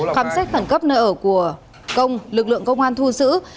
khám xét khẩn cấp nơi ở của công lực lượng công an thu giữ